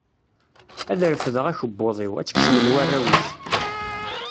Ad refdeɣ akebbuḍ-iw, ad tt-kecmen warraw-is.